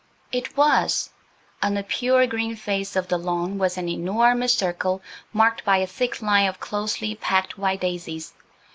It was. On the pure green face of the lawn was an enormous circle marked by a thick line of closely packed white daisies.